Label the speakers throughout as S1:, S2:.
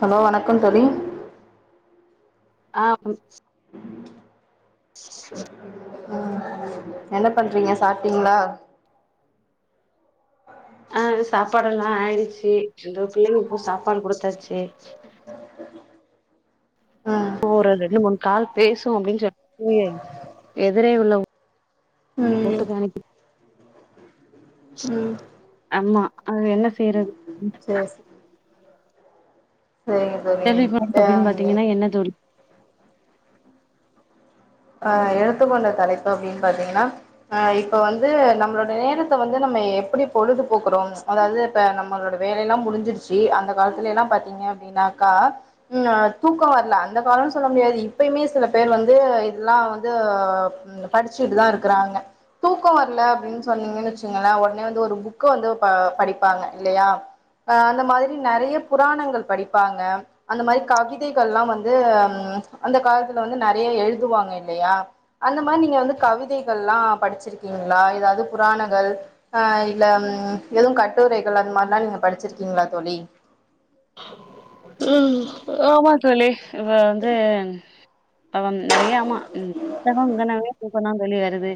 S1: Hello வணக்கம் தோழி
S2: ஆஹ் ம் [unintelligible]
S1: உ என்ன பண்றீங்க சாப்பிட்டீங்களா
S2: ஆஹ் சாப்பாடு எல்லாம் ஆயிடுச்சு ஏதோ பிள்ளைகளுக்கு சாப்பாடு கொடுத்தாச்சு
S1: ம்
S2: ஓறது இ மு கால் பேசும் அப்படின்னு சொல் லிட்டு எதிரே உள்ள
S1: ம்
S2: [unintelligible] ஆமா. அது என்ன செய்றது
S1: சரி ச
S2: கேள்வி அப்படின்னு பாத்தீங்கன்னா
S1: இப்ப
S2: என்ன தோழி
S1: அஹ் எடுத்துக்கொண்ட தலைப்பு அப்படின்னு பாத்தீங்கன்னா அஹ் இப்ப வந்து நம்மளோட நேரத்தை வந்து நம்ம எப்படி பொழுதுபோக்குறோம் அதாவது இப்ப நம்மளோட வேலைைய எல்லாம் முடிஞ்சிருச்சு அந்த காலத்துல எல்லாம் பாாரத்தீங்க அப்படின்னாக்கா உஹ் தூக்கம் வரல அந்த காலம்னு சொல்ல முடியாது இப்பயுமே சில பேர் வந்து எல்லா படிச்சுட்டு தான் இருக்கிறாங்க தூக்கம் வரல அப்படின்னு சொன்னீங்கன்னு வச்சங்களேன் உடனே வந்து ஒரு புக்க வந்து படிப்பாங்க இல்லா ஆ அந்த மாதிரி நிறைய புராணங்கள் படிப்பாங்க அந்த மாதிரி கவிதைகள் எல்லாம் வந்து அந்த ம்ம் காலத்துல வந்து நிறைய எழு துவாங்க இல்லையா அந்த மாதிரி நீங்க வந்து கவிதைகள்லாம் படிச்சிருக்கீங்களா ஏதாவது புராணங்கள் அஹ் இல்ல எதுவும் கட்டுரைகள் அந்த மாதிரில்லாம் நீங்க படிச்சிருக்கீங்களா தோழி
S2: உம் ஆமா தோழி இப்ப வந்து அப்வந் நிறைய ஆமா புத்தகம் இங்கனாவே தூக்கம் தான் தோழி வருது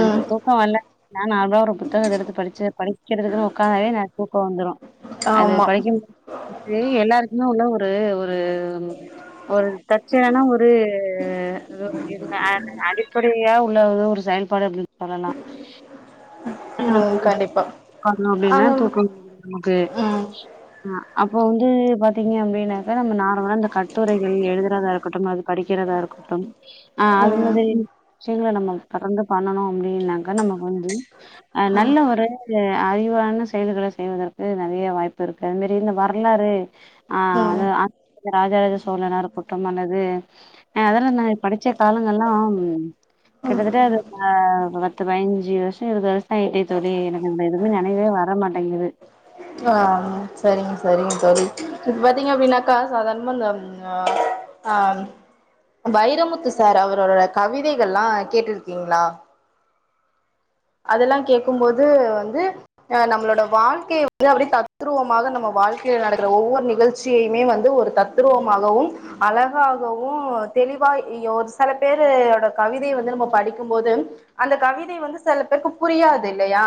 S1: ம்
S2: நமக்கு தூக்கம் வல்ல நா நானு ஒரு புத்தகத்தை எடுத்து படிச்சு படிக்கிறதுக்குன்னு உட்கார்ந்தாவே நா தூக்கம் வந்துரும் அது
S1: ஆமா
S2: படிக்கும் [unintelligible] எல்லாருக்குமே உள்ள ஒரு ஒரு ஒரு தற்சையான ஒரு [unintelligible] அடிப்படையா உள்ள ஒரு செயல்பாடு சொல்லலா ஃபேன
S1: ம்
S2: [unintelligible]
S1: கண்டிப்பா
S2: உக்காந்தோ அப்டின்னா
S1: அந்த
S2: தூக்க [unintelligible] நமக்கு
S1: ம்
S2: ஆஹ் அப்போ வந்து பாத்தீங்க அப்படின்னாக்க நம்ம நா நா இந்த கட்டுரைகள் எழுதரதா கட்டுமா படிக்கிறதா இருக்கட்டு ஆஹ் அது
S1: ம்
S2: மாதிரி செரிங்களா நம்ம தொடர்ந்து பண்ணணு அப்படின்னாக்கா நமக்கு வந்து அஹ் நல்ல ஒரு அறி வான செயல்கள செய்வதற்கு நெறைய வாய்ப்பு இருக்கு திடீர்னு வரலாறு ஆஹ்
S1: ம்
S2: அது அ ராஜராஜ சோழனா இருக்கட் டு அல்லது அதல்லா நா படிச்ச காலங்கள்லா கிட்டத்தட்ட அது ஹ பத்து பதைன்ஞ்சு வருஷ இருவது வருஷ ஆயிட்டே தோழி எனக்கு இந்த எதுமே நெனைவே வர மாட்டேங்குது
S1: ஆஹ் சரிங்க சரிங்க தோழி இப்ப பாத்தீங்கன்னாக்கா சாதாரணமா இந்த ஆஹ் வைரமுத்து சார் அவரோட கவிதைகள்லா கேட்ருக்கீங்களா அதெல்லா கேக்கும் போது வந்து ஆஹ் நம்மளோட வாழ்க்கைய வந்து அப்படியே தத்துருவமாக நம்ம வாழ்க்கையில நடக்கிற ஒவ்வொரு நிகழ்ச்சியுமே வந்து ஒரு தத்துருவமாகவும் அழகாகவு தெளிவாய் ஒரு செல பேரோட கவிதைய வந்து நம்ம படிக்கும்போது அந்த கவிதை வந்து செல பேருக்கு புரியாது இல்லையா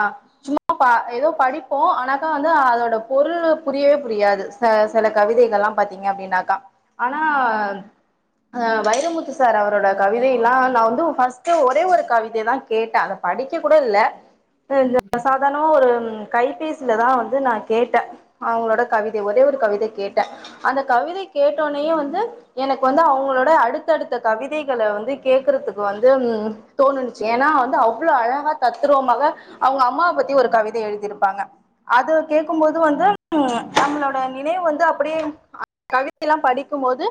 S1: சும்மா அ ஏதோ படிப்போ ஆனாக்கா வந்து அதோட பொருள் புரியவே புரியாது ச செல கவிதைகள்லா பாத்தீங்க அப்படின்னாக்கா ஆனா வைரமுத்து சார் அவரோட கவிதையெல்லா நா வந்து ஃபர்ஸ்ட் ஒரே ஒரு கவிதைதா கேட்டே அத படிக்க கூட இல்ல து சாதாரணமா ஒரு கைபேசிலதா வந்து நா கேட்டே அவங்களோட கவிதை ஒரே ஒரு கவிதை கேட்டே அந்த கவிதை கேட்டோன்னயு வந்து எனக்கு வந்து அவங்களோட அடுத்தடுத்த கவிதைகள வந்து கேக்கறதுக்கு வந்து தோணுச்சு ஏனா வந்து அவ் அவ்ளோ அழகா தத்துருவமாக அவங்க அம்மாவ பத்தி ஒரு கவிதை எழுதிருப்பாங்க அது கேக்கும் போது வந்து உ நம்மளோட நினைவு வந்து அப்படியே கவிதை எல்லா படிக்கும்போது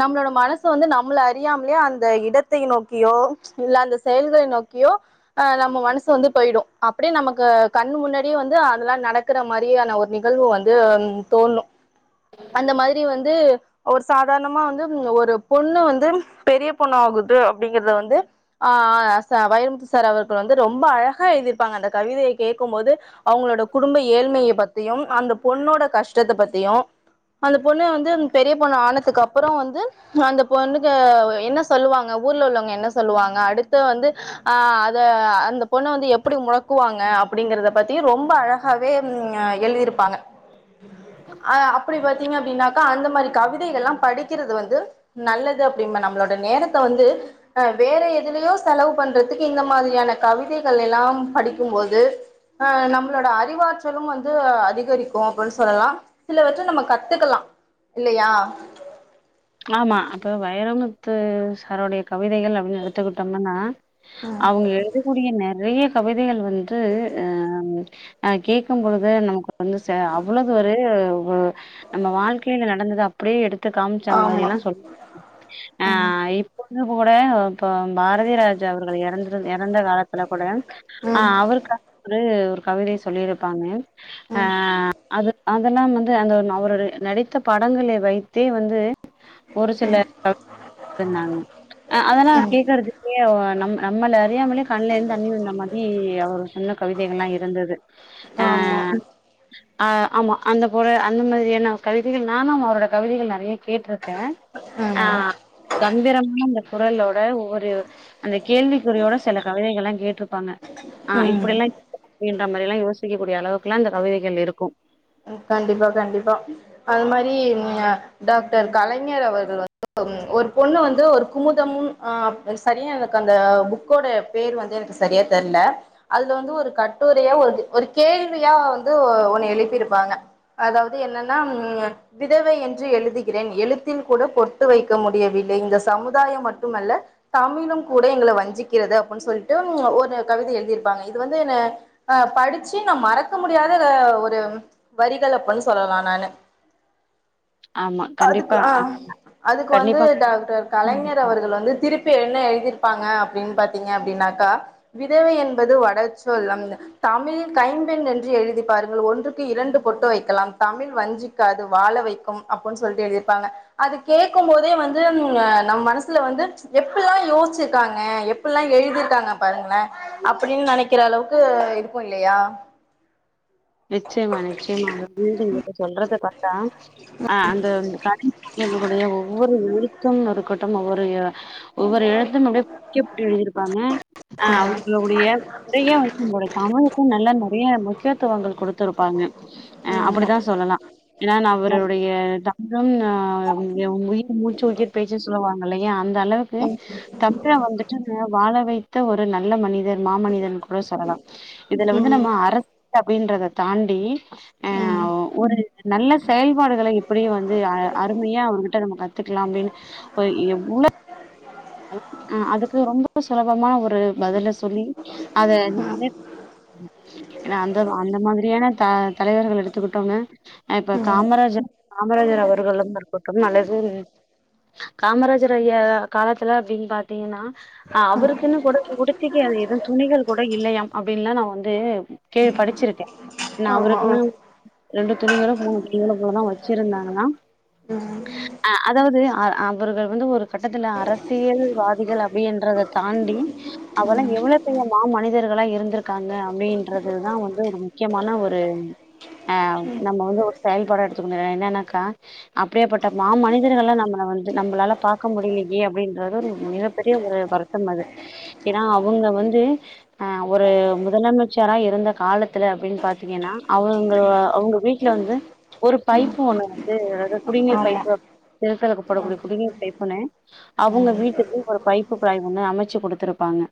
S1: நம்மளோட மனசு வந்து நம்மள அறியாமலேயே அந்த இடத்தை நோக்கியோ இல்ல அந்த செயல்களை நோக்கியோ அஹ் நம்ம மனசு வந்து போயிடு அப்படியே நமக்கு கண்ணு முன்னாடியே வந்து அதெல்லா நடக்கிற மாரியான ஒரு நிகழ்வு வந்து தோண்ணு அந்த மாதிரி வந்து ஒரு சாதாரணமா வந்து ஒரு பொண்ணு வந்து பெரிய பொண்ணாகுது அப்படிங்கறத வந்து ஆஹ் சா வைரமுத்து சார் அவர்க்கு வந்து ரொம்ப அழகா எழுதிருப்பாங்க அந்த கவிதையை கேட்கும்போது அவங்களோட குடும்ப ஏழ்மையை பத்தியு அந்த பொண்ணோட கஷ்டத்தை பத்தியு அந்த பொண்ணு வந்து பெரிய பொண்ணு ஆனதுக்கு அப்புற வந்து அந்த பொண்ணுக்கு என்ன சொல்லுவாங்க ஊர்ல உள்ளவங்க என்ன சொல்லுவாங்க அடுத்த வந்து அஹ் அத அந்த பொண்ண வந்து எப்படி முடக்குவாங்க அப்படிங்கறத பத்தி ரொம்ப அழகாவே எழுதிருப்பாங்க அஹ் அப்படி பாத்தீங்க அப்படின்னா அந்த மாரி கவிதைகள்லா படிக்கறது வந்து நல்லது அப்படிம்ப நம்மளோட நேரத்த வந்து வேற எதுலயோ செலவு பண்றதுக்கு இந்த மா திரியான கவிதைகள் எல்லா படிக்கும் போது அஹ் நம்மளோட அறிவாற்றலும் வந்து அதிகரிக்கு அப்பன் சொல்லலா சிலவற்ற நம்ம கத்துக்கலா இல்லையா
S2: ஆமா அப்ப வைரமு த்து சாருடைய கவிதைகள் அப்படின்னு எடுத்துக்கிட்டம்னா அவங்க எழுதக்கூடிய நெறைய கவிதைகள் வந்து அஹ்ஹ கேக்கும் பொழுது நமக்கு வந்து சே அவ்வளவு ஒரு நம்ம வாழ்க்கையில நடந்தது அப்படியே எடுத்துக்கா ட்ற
S1: ஆமா
S2: மாரில்லா சொல்
S1: ம்
S2: ஆஹ் இப் ப கூட இப்போ பாரதிராஜா அவர்கள் எறந்து எறந்த காலத்துல கூட
S1: ம்
S2: ஆஹ் அவருக்கு ஒரு ஒரு கவிதை சொல்லியிருப்பாங்க
S1: ம்
S2: ஆஹ் அது அதெல்லாம் வந்து அந்த அவர் நடித்த படங்களை வைத்தே வந்து ஒரு சிலர் [inaudible] தாங்க ஆஹ் அதெல்லா
S1: ம்
S2: கேக்கறது நம் நம்மள அறியாமலே கண்ல இருந்து தண்ணி வந்த மாதிரி அவர் சொன்ன கவிதைகள்லா இருந்தது
S1: ஆமா
S2: ஆ ஆமா அந்த போல அந்த மாரியான கவிதைகள் நானும் அவரோட கவிதைகள் நறைய கேட்டிருக்கேன் ஆ
S1: ம்
S2: கம்பீரமான அந்த குரலோட ஒவ்வொரு அந்த கேள்விக்குறியோட சில கவிதைகள் எல்லாம் கேட்டிருப்பாங்க ஆ
S1: ம்
S2: இப்படிெல்லாம் அப்படின்ற மாதிரி எல்லாம் யோசிக்கக்க கூடிய அளவுக்கு எல்லாம் அந்த கவிதைகள் இருக்கும்
S1: கண்டிப்பா கண்டிப்பா அது மாதிரி டாக்டர் கலைஞர் அவர்கள் வந்து ஒரு பொண்ணு வந்து ஒரு குமுதமும் சரியாக எனக்கு அந்த புக்கோட பேர் வந்து எனக்கு சரியா தெரில அதுல வந்து ஒரு கட்டுரையாக ஒரு ஒரு கேள்வியாக வந்து ஒன்னு எழுப்பியிருப்பாங்க அதாவது என்னன்னா உஹ விதவை என்று எழுதுகிறேன் எழுத்தில் கூட பொட்டு வைக்க முடியவில்லை இந்த சமுதாயம் மட்டுமல்ல தமிழும் கூட எங்களை வஞ்சிக்கிறது அப்படின்னு சொல்லிட்டு ஒரு கவிதை எழுதியிருப்பாங்க இது வந்து என்ன அ படிச்சு நான் மறக்க முடியாத ஒரு வரிகள் அப்பன்னு சொல்லலாம் நானு
S2: ஆமா
S1: அதுக்கு
S2: கண்டிப்பா
S1: ஆ
S2: அ
S1: அதுக்கு வந்து
S2: கண்டிப்பா
S1: டாக்டர் கலைஞர் அவர்கள் வந்து திருப்பி என்ன எழுதிப்பாங்க அப்டின்னு பாத்தீங்கனாக்க விதவை என்பது வடச்சொல் தமிழ் கைம்பெண் என்று எழுதிப்பாருங்கள் ஒன்றுக்கு இரண்டு பொட்டு வைக்கலாம் தமிழ் வஞ்சிக்காது வாழ வைக்கும் அப்டின்னு சொல்லிட்டு எழுதிருப்பாங்க அது கேட்கும் போதே வந்து ம் நம்ம மனசுல வந்து எப்டில்லாம் யோசிச்சிருக்காங்க எப்பிடல்லாம் எழுதிருக்காங்க பாருங்க அப்படின்னு நனைக்கிற அளவுக்கு இதுக்கும் இல்லையா
S2: நிச்சயமா நிச்சயமாங்க சொல்றத ப ஆ ஆ அந்த கலைஞருடைய ஒவ்வொரு எழுத்தும் ஒரு கட்டம் ஒவ்வொரு ஒவ்வொரு எழுத்தும் அப்டியே படிக்கப்பட்டு எழுதியிருப்பாங்க ஆ
S1: ம்
S2: அவர்களுடைய உறையே வந்து நம்மளுடைய சமூகத்த நல்லா ந ஏ [unintelligible] [unintelligible] கொடுத்துருப்பாங்க அ
S1: ஆமா
S2: அப்படித்தான் சொல்லலாம் ஏன்னா அவருடைய தமிழும் அ உயிர் மூச்சு உயிர் பேச்சுன்னு சொல்லுவாங்க இல்லையா அந்த அளவுக்கு தமிழை வந்துட்டு வாழ வை ஒரு நல்ல மனித [unintelligible] மாமனிதன் கூட சொல்லலாம் இதுல
S1: ம்
S2: வந்து
S1: ம்
S2: நம்ம அரசு அப்டின்றத தாண்டி ஆ
S1: ம்
S2: ஒரு நல்ல செயல்பாடுகளை எப்படிய வந்து அ அருமையா அவர்கிட்ட நம்ம க க்கலாம் அப்டின்னு அதுக்கு ரொம்ப சுலபமா ஒரு பதில் சொல்லி அத ஏன்னா அந்த அந்த மாதிரியான த தலைவர்கள் எடுத்துக்கிட்டோங்கு இப்ப காமராஜர் காமராஜர் அவர்கள் வந்து இருக்கட்டும் நல்லது காமராஜர் [unintelligible] காலத்துல அப்படின்னு பாத்தீங்கன்னா ஆ அவருக்கு இன்னும் கூட முடிச்சக்க ஏது துணிகள் கூட இல்லையாம் அப்படின்லாம் நான் வந்து கே படிச்சிருக்கேன் ஏன்னா
S1: ஆமா
S2: அவருக்குன்னும் ரெண்டு துணிகளும் போ இவலுங்கலோ போலதா வச்சுருந்தாங்கல அ அதாவது அ அவர்கள் வந்து ஒரு கட்டத்துல அரசியல்வாதிகள் அப்டின்றத தாண்டி அவெல்லா எவ்ளோ பெரிய மாமனிதர்களா இருந்துருக்காங்க அப்டின் றது தா வந்து ஒரு முக்கியமான ஒரு ஆ நம்ம வந்து ஒரு செயல்பாட எடுத்துக்கணு என்னன்னாக்கா அப்டியாபட்ட மா மனிதர்கள்லா நம்மல வந்து நம்மளால பாக்க முடியலயே அப்டின்றது ஒரு மிகப்பெரிய ஒரு வருத்தம் அது ஏன்னா அவுங்க வந்து அ ஒரு முதலமைச் சரா இருந்த காலத்துல அப்டின்னு பாத்தீங்கன்னா அவுங்க அவுங்க வீட்ல வந்து ஒரு பைப்பு ஒண்ணு வந்து [unintelligible] குடிநீர்
S1: ஆமா
S2: பைப்பு திருத்தலுக்கு படக்கூடிய குடிநீர் பைப்புன்னு அவூங்க வீட்டுக்கு ஒரு பைப்பு [unintelligible] ஒண்ணு அமச்சு குடுத்துருப்பாங்க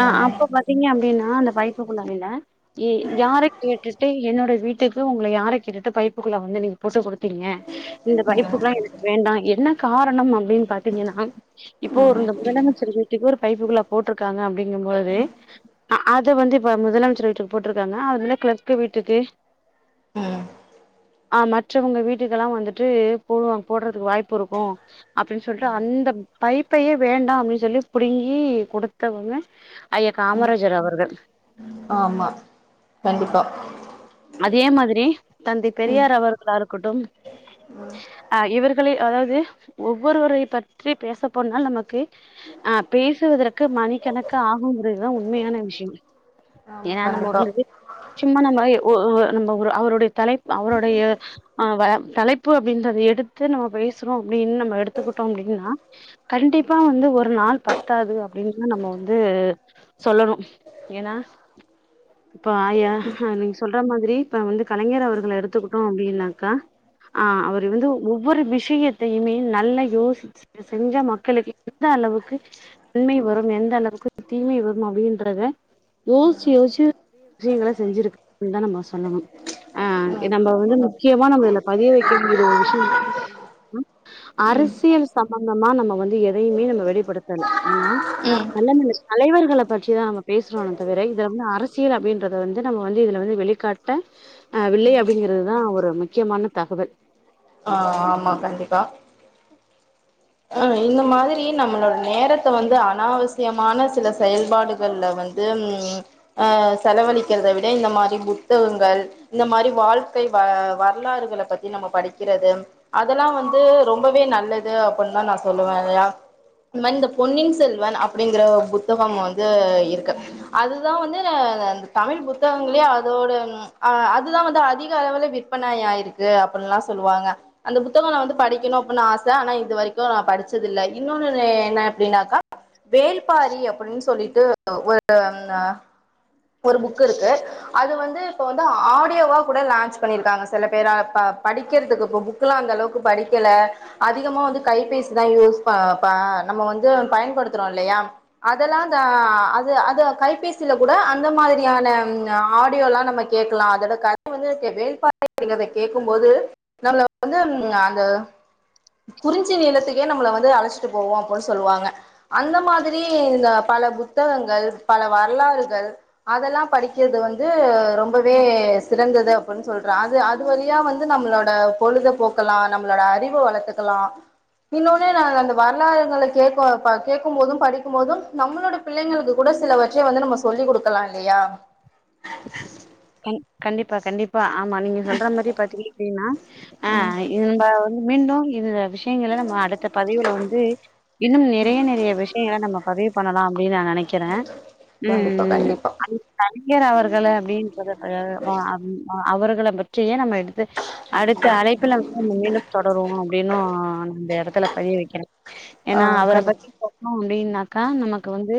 S2: அ அப்ப பாத்தீங்க அப்டின்னா அந்த பைப் [unintelligible] யார கேட்டுட்டு என்னோட வீட்டுக்கு உங்கள யார கேட்டுட்டு பைப்புக்குழ வந்து நீங்க போட்டு குடுத்தீங்க இந்த பைப்புக்குழா எனக்கு வேண்டா என்ன காரணம் அப்டின்னு பாத்தீங்கன்னா இப்போ ஒரு இந்த முதலமைச்சர் வீட்டுக்கு ஒரு பைப்பு குழா போட்ருக்காங்க அப்டிங்கும் போது அ அத வந்து இப்ப முதலமைச்சர் வீட்டுக்கு போட்ருக்காங்க அதுல கிளர்க் வீட்டுக்கு
S1: ம்
S2: ஆ மற்றவங்க வீட்டுக்கெல்லா வந்துட்டு போடுவாங் போட்றதுக்கு வாய்ப்பு இருக்கு அப்டின்னு சொல்லிட்டு அந்த பைப்பயே வேண்டா அப்டின்னு சொல்லி புடுங்கி கொடுத்தவங்க ஐயா காமராஜர் அவர்கள்
S1: ஆமா கண்டிப்பா
S2: அதே மாதிரி தந்தை
S1: ம்
S2: பெரியார் அவர்களா இருக்கட்டு அ இவர்களே அதாவது ஒவ்வொருவரை பற்றி பேசப்போனால் நமக்கு ஆ பேசுவதற்கு மணிக்கணக்கா ஆகும்ங்கறத உண்மையான விஷ்யம் ஏ
S1: ஆமா
S2: ஏன்னா நம்ம
S1: கண்டிப்பா
S2: [unintelligible] சும்மா நம்ம ஒ ஒ நம்ம ஒரு அவருடைய தலைப்பு அவருடைய ஆவ தலைப்பு அப்டின்றத எடுத்து நம்ம பேஸ்றோ அப்டின்னு நம்ம எடுத்துக்கிட்டோ அப்டின்னா கண்டிப்பா வந்து ஒரு நாள் பத்தாது அப்டின்னுதா நம்ம வந்து சொல்லணு ஏன்னா இப்ப ஆயா அ நீங்க சொல்ற மாதிரி இப்ப வந்து கலைஞர் அவர்கள எடுத்துக்கிட்டோ அப்டின்னாக்கா ஆ அவர் வந்து ஒவ்வொரு விஷயத்தையுமே நல்ல யோசிச் செஞ்சா மக்களுக்கு எந்த அளவுக்கு நன்மை வரும் எந்த அளவுக்கு தீமை வரும் அப்டின்றத யோசிச்சு யோசிச்சு விஷயங்கள செஞ்சிரு [unintelligible] தா நம்ம சொல்லணு ஆ
S1: ம்
S2: நம்ம வந்து முக்கியமா நம்ம இதுல பதிய வைக்க வேண்டியது ஒரு விஷயம் என்னா
S1: ம்
S2: அரசியல் சம்பந்தமா நம்ம வந்து எதையுமே நம்ம வெளிப்படுத்தல ஏன்னா
S1: ம்
S2: நல்லமனசு தலைவர்கள பற்றி தா நம்ம பேஸ்றோமே தவிர இத வந்து அரசியல் அப்டின்றத வந்து நம்ம வந்து இதுல வந்து வெளிக்காட்ட ஆ வில்லை அப்டிங்கிறதுதா ஒரு முக்கியமான தகவல்
S1: ஆ ஆமா கண்டிப்பா அ இந்த மாதிரி நம்மளோட நேரத்த வந்து அனாவசியமான சில செயல்பாடுகள்ல வந்து ம் அ செலவழிக்கறத விட இந்த மாரி புத்தகங்கள் இந்த மாரி வாழ்க்கை வ வரலாறுகல பத்தி நம்ம படிக்கிறது அதெல்லா வந்து ரொம்பவே நல்லது [unintelligible] தா நா சொல்லுவலயா இந்த மாரி இந்த பொன்னின் செல்வன் அப்டிங்கற புத்தகம் வந்து இருக்கு அதுதா வந்து தமிழ் புத்தகங்கள அதோட அதுதா வந்து அதிக அளவுல விற்பனை ஆயிருக்கு அப்பில்லா சொல்லுவாங்க அந்த புத்தகம் வந்து படிக்கணு அப்படினு ஆச ஆனா இது வரைக் கு இன்னு நா படுச்சத இல்ல இன்னொன்னு என்ன அப்டின்னாக்கா வேள்பாரி அப்படின்னு சொல்லிட்டு ஒரு ம் ஒரு புக் இருக்கு அது வந்து இப்ப வந்து ஆடியோவா கூட லான்ச் பண்ணிருக்காங்க சில பேரால பா படிக்கிறதுக்கு இப்ப புக் எல்லா அந்த அளவுக்கு படிக்கல அதிகமா வந்து கைபேசி தா யூஸ் ப ப நம்ம வந்து பயன்படுத்துறோ இல்லையா அதெல்லா அ அது அ கைபேசியில கூட இந்த மாதிரியான ஆடியோல்லா நம்ம கேக்கலா அதோட கத வந்து வேள்பாறை அப்டிங்கறத கேக்கும்போது நம்மள வந்து அந்த குறிஞ்சி நிலத்துக்கே நம்மள வந்து அழச்சுட்டு போவோ அப்டின்னு சொல்லுவாங்க அந்த மாதிரி இந்த பல புத்தகங்கள் பல வரலாறுகள் அதெல்லா படிக்கறது வந்து ரொம்பவே சிறந்தது அப்டின்னு சொல்ற அது அது வழியா வந்து நம்மளோட பொழுத போக்கலா நம்மளோட அறிவ வளத்துக்கலா இன்னொன்னு ந அந்த வரலாறுகள கேக்க கேக்கு போது படிக்கு போது நம்மோளட பிள்ளைங்களுக்கு கூட சிலவற்றை வந்து நம்ம சொல்லிக் குடுக் கலா இல்லையா
S2: கண் கண்டிப்பா கண்டிப் பா ஆமா நீங்க சொல்ற மாரி பாதுக்டின்னா ஆ ம்ப வந்து மீண்டு இது விஷயங்கல நம்ம அடுத்த பதிவுல வந்து இன்னும் நிறைய நிறைய விஷயங்க நம்ம பதிவு பண்ணலா அப்டினு நா நெனைக்கற ம்
S1: கண்டிப்பா கண்டிப்பா
S2: ம் கலைஞர் அவர்கள் கள அப்டின்றத வ அ அவர் அவர்கள பற்றியே நம்ம அடுத்த அழைப்புலா நம்ம மேலு தொடருவோ அப்டின்னும் அந்த இடத்துல பதிய வைக்கனும்
S1: ஆ
S2: ஏன்னா அவரை
S1: கண்டிப்பா
S2: பத்தி சொன்னோ அப்டியின்னா அக்கா நமக்கு வந்து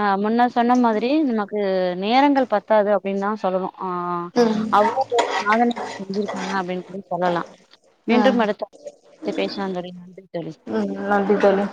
S2: ஆஹ முன்ன சொன்ன மாதிரி நமக்கு நேரங்கள் பத் தாது அப்படின்னு தா சொல்லணும் ஆஹ்
S1: ம்
S2: அவ்வளவு பெரிய சாதனைகள் செஞ்சிருக்காங்க அப்படின்னு கூட சொல்லலாம்
S1: ம்
S2: மீண்டும் அடுத்த பேசலாம் தோழி நன்றி தோழி
S1: ம் நன்றி தோழி